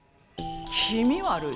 気味悪い？